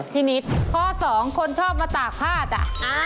พี่นิดข้อสองคนชอบมาตากผ้าจ้ะ